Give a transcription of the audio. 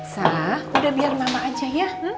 sah udah biar mama aja ya